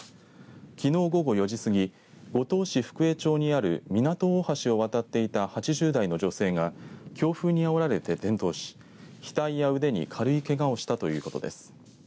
きのう午後４時過ぎ五島市福江町にある港大橋を渡っていた８０代の女性が強風にあおられて転倒し額や腕に軽いけがをしたということです。